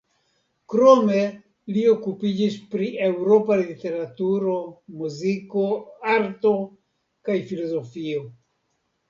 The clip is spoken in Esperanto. Krome li okupiĝis pri eŭropa literaturo, muziko, arto kaj filozofio.